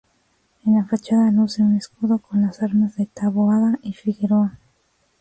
En la fachada luce un escudo con las armas de Taboada y Figueroa.